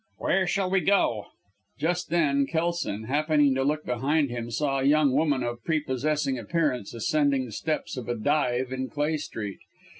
"Where shall we go?" Just then, Kelson, happening to look behind him, saw a young woman of prepossessing appearance ascending the steps of a dive in Clay Street.